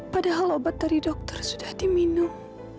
padahal obat dari dokter sudah diminum